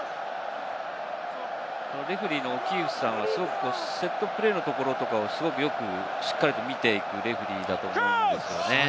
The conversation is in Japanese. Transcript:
レフェリーのオキーフさんはセットプレーのところをよくしっかりと見ているレフェリーだと思いますね。